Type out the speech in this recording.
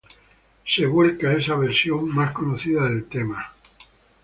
Se vuelva esta versión más conocida del tema.